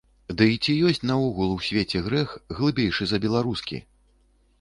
Ды і ці ёсць наогул у свеце грэх, глыбейшы за беларускі?!.